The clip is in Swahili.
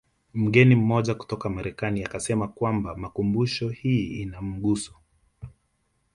Mgeni mmoja kutoka Marekani anasema kwamba makumbusho hii ina mguso